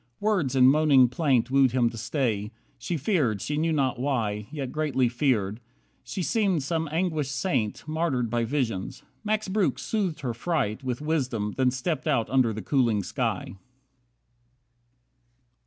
Words in moaning plaint Wooed him to stay. She feared, she knew not why, Yet greatly feared. She seemed some anguished saint Martyred by visions. Max Breuck soothed her fright With wisdom, then stepped out under the cooling sky.